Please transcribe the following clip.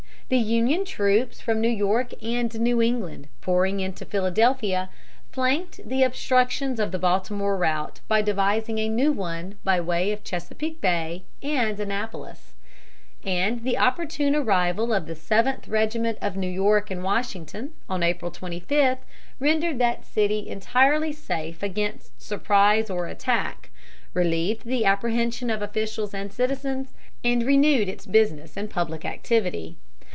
The Union troops from New York and New England, pouring into Philadelphia, flanked the obstructions of the Baltimore route by devising a new one by way of Chesapeake Bay and Annapolis; and the opportune arrival of the Seventh Regiment of New York in Washington, on April 25, rendered that city entirely safe against surprise or attack, relieved the apprehension of officials and citizens, and renewed its business and public activity.